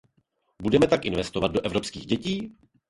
Budeme pak investovat do evropských dětí?